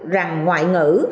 rằng ngoại ngữ